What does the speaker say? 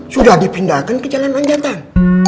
sudah dipindahkan ke jalan panjatan